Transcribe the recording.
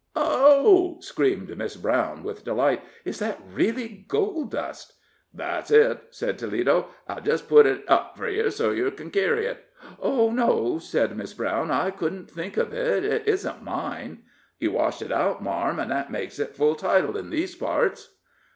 "Oh!" screamed Miss Brown, with delight; "is that really gold dust?" "That's it," said Toledo. "I'll jest put it up fur yer, so yer ken kerry it." "Oh, no," said Miss Brown, "I couldn't think of it it isn't mine." "You washed it out, marm, an' that makes a full title in these parts."